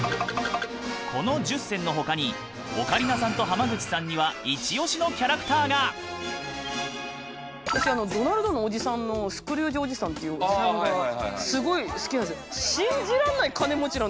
この１０選の他にオカリナさんと濱口さんには私ドナルドのおじさんのスクルージおじさんっていうおじさんがすごい好きなんですよ。